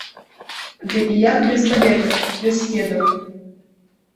Ды і як без балетак, без кедаў?